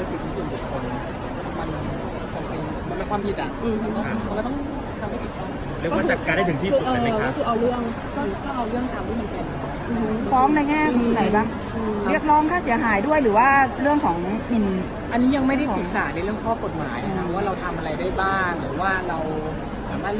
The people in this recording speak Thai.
ซึ่งผมก็ไม่แน่ใจในรายละเอียดว่าเขาจะทำอะไรต่อ